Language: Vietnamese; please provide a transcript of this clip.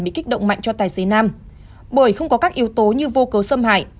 bị kích động mạnh cho tài xế nam bởi không có các yếu tố như vô cấu xâm hại